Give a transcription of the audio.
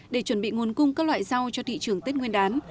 để chuẩn bị nguồn cung các loại rau cho thị trường tết nguyên đán